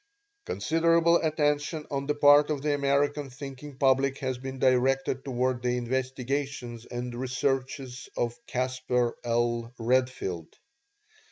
Considerable attention on the part of the American thinking public has been directed toward the investigations and researches of Casper L. Redfield.